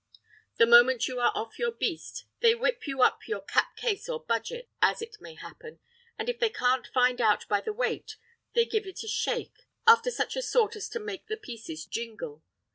The moment you are off your beast, they whip you up your cap case or budget, as it may happen; and if they can't find out by the weight, they give it a shake, after such a sort as to make the pieces jingle.